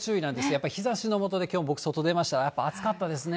やっぱり日ざしの下で、僕、外出ましたら、やっぱり暑かったですね。